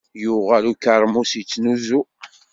Yuɣal ukermus yettnuzu.